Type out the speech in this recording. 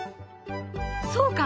そうか。